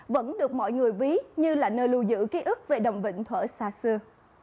vẫn được mọi người ví như là nơi lưu giữ ký ức về đầm vịnh thở xa xưa